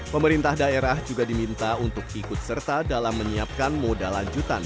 pemerintah daerah juga diminta untuk ikut serta dalam menyiapkan moda lanjutan